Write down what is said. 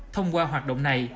thông qua hoạt động này